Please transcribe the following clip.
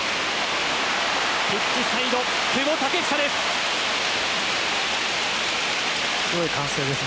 ピッチサイド、久保建英です。